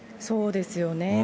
そうですよね。